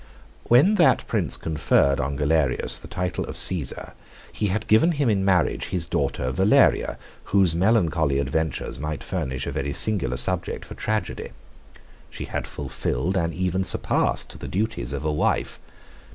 When that prince conferred on Galerius the title of Cæsar, he had given him in marriage his daughter Valeria, whose melancholy adventures might furnish a very singular subject for tragedy. She had fulfilled and even surpassed the duties of a wife.